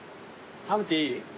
食べていい？